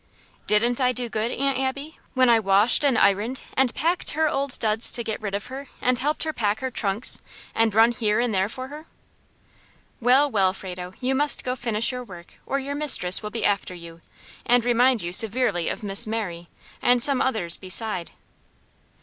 "Didn't I do good, Aunt Abby, when I washed and ironed and packed her old duds to get rid of her, and helped her pack her trunks, and run here and there for her?" "Well, well, Frado; you must go finish your work, or your mistress will be after you, and remind you severely of Miss Mary, and some others beside."